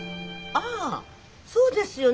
あそうですよね。